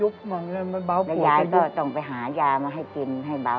บางอย่างมันเบาโผล่ไปอยู่และยายก็ต้องไปหายามาให้กินให้เบา